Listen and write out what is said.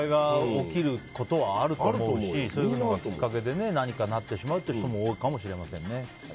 問題が起こることはあるしそういうのがきっかけで何かなってしまうという人も多いかもしれませんね。